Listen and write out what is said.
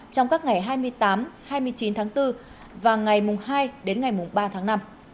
trong các ngày hai mươi tám hai mươi chín tháng bốn và ngày mùng hai đến ngày mùng ba tháng năm